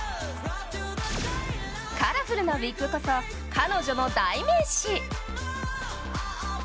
カラフルなウィッグこそ彼女の代名詞。